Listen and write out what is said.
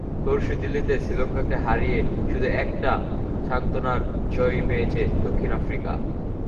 পরশু দিল্লিতে শ্রীলঙ্কাকে হারিয়ে শুধু একটা সান্ত্বনার জয়ই পেয়েছে দক্ষিণ আফ্রিকা।